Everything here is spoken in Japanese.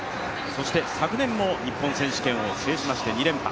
そして昨年も日本選手権を制しまして２連覇。